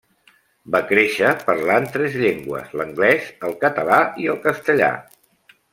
Va créixer parlant tres llengües: l’anglès, el català i el castellà.